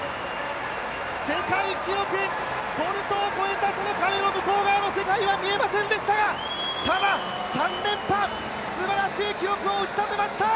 世界記録、ボルトを超えたその壁の向こう側の世界は見えませんでしたがただ３連覇、すばらしい記録を打ち立てました！